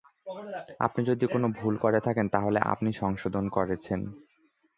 আপনি যদি কোন ভুল করে থাকেন, তাহলে আপনি সংশোধন করেছেন।